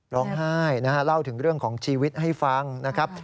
ร้องไห้นะฮะเล่าถึงเรื่องของชีวิตให้ฟังนะครับ